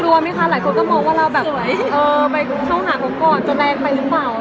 กลัวไหมคะหลายคนก็มองว่าเราแบบเข้าหาเขาก่อนจะแรงไปหรือเปล่า